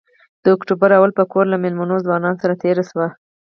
د اکتوبر اوله په کور له مېلمنو ځوانانو سره تېره شوه.